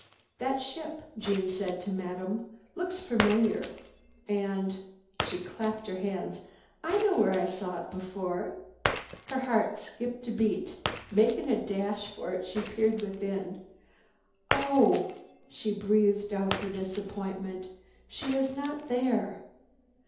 "That ship," Jeanne said to Madame, "looks familiar. And—" she clapped her hands. "I know where I saw it before." Her heart skipped a beat as, making a dash for it, she peered within. "Oh!" she breathed out her disappointment. "She is not there!"